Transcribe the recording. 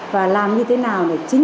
và làm như thế nào để chính